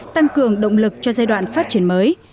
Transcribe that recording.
tăng cường động lực cho giai đoạn phát triển mới